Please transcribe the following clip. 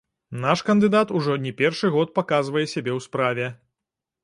Наш кандыдат ужо не першы год паказвае сябе ў справе.